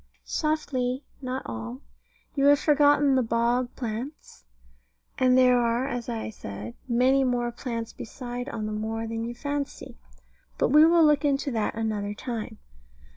Softly not all; you have forgotten the bog plants; and there are (as I said) many more plants beside on the moor than you fancy. But we will look into that another time.